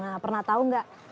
nah pernah tahu nggak